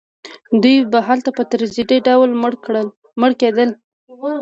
دوی به هلته په تدریجي ډول مړه کېدل.